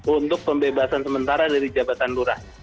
untuk pembebasan sementara dari jabatan lurah